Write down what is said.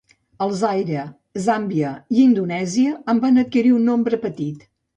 El Zaire, Zambia i Indonèsia en van adquirir un nombre petit.